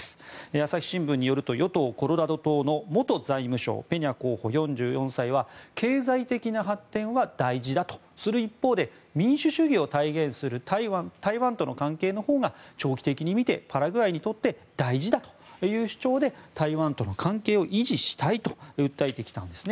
朝日新聞によると与党コロラド党の元財務相、ペニャ候補、４４歳は経済的な発展は大事だとする一方で民主主義を体現する台湾との関係のほうが長期的に見てパラグアイにとって大事だという主張で台湾との関係を維持したいと訴えてきたんです。